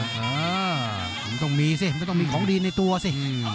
เออมันต้องมีสิมันก็ต้องมีของดีในตัวสิ